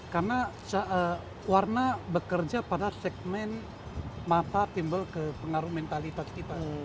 karena warna bekerja pada segmen mata timbul ke pengaruh mentalitas kita